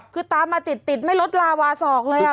คือตามมาติดไม่ลดลาวาสอกเลยอ่ะ